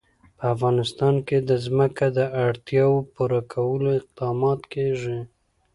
په افغانستان کې د ځمکه د اړتیاوو پوره کولو اقدامات کېږي.